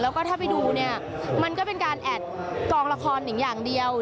แล้วก็ถ้าไปดูเนี่ยมันก็เป็นการแอดกองละครหนิงอย่างเดียว